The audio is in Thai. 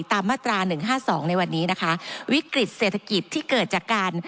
มาตราหนึ่งห้าสองในวันนี้นะคะวิกฤตเศรษฐกิจที่เกิดจากการ